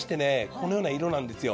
このような色なんですよ。